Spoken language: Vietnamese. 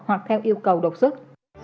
hoặc theo yêu cầu đột xuất